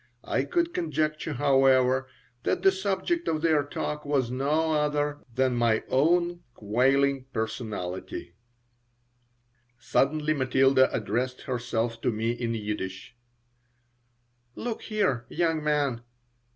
I could conjecture, however, that the subject of their talk was no other than my own quailing personality Suddenly Matilda addressed herself to me in Yiddish: "Look here, young man!